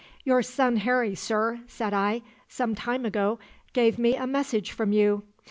"'Your son Harry, sir,' said I, 'some time ago gave me a message from you.